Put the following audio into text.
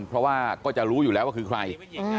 เพราะว่าก็จะรู้อยู่แล้วว่าคือใคร